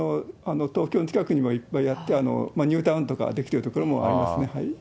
東京の近くにもいっぱいあって、ニュータウンとか出来てる所もありますね。